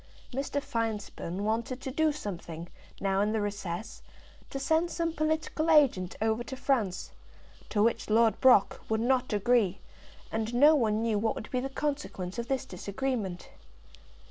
Mr. Finespun wanted to do something, now in the recess, to send some political agent over to France, to which Lord Brock would not agree; and no one knew what would be the consequence of this disagreement.